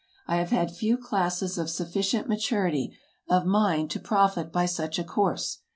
I have had few classes of sufficient maturity of mind to profit by such a course.